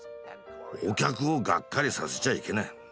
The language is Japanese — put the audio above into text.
お客をがっかりさせちゃいけない。